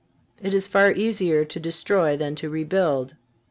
It is far easier to destroy than to rebuild.